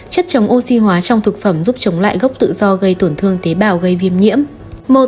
chất chống oxy hóa trong thực phẩm giúp chống lại gốc tự do gây tổn thương tế bào gây viêm nhiễm